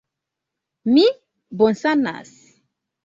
Mi bonsanas!